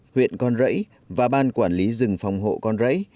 huyện con rẫy và ban quản lý rừng phòng hộ con rẫy